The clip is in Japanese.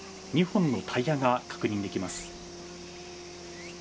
２本のタイヤが確認できます。